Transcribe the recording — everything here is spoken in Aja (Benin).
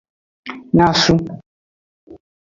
Nyasun.